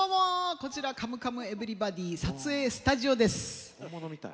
こちらは「カムカムエヴリバディ」の撮影スタジオです。